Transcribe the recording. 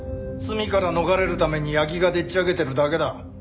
罪から逃れるために八木がでっち上げてるだけだ。